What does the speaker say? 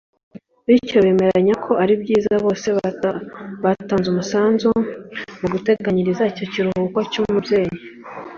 bityo bemeranya ko ari byiza bose batanze umusanzu mu guteganyiriza icyo kiruhuko cy’umubyeyi